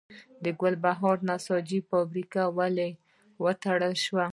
د ګلبهار نساجي فابریکه ولې وتړل شوه؟